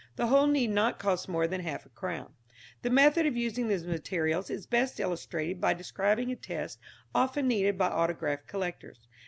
The whole need not cost more than half a crown. The method of using these materials is best illustrated by describing a test often needed by autograph collectors.